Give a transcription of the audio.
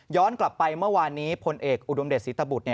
ย้อนกลับไปเมื่อวานนี้พนาคมเอกอุดมเดชน์ศีรษฐบุตร